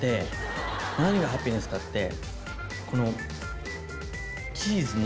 何がハピネスかって。